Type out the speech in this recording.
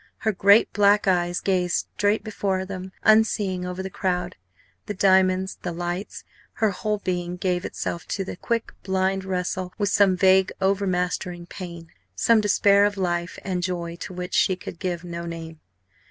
Her great black eyes gazed straight before them, unseeing, over the crowd, the diamonds, the lights; her whole being gave itself to a quick, blind wrestle with some vague overmastering pain, some despair of life and joy to which she could give no name.